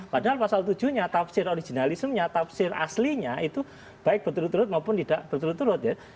padahal pasal tujuh nya tafsir originalismnya tafsir aslinya itu baik berturut turut maupun tidak berturut turut ya